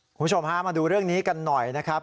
คุณผู้ชมฮะมาดูเรื่องนี้กันหน่อยนะครับ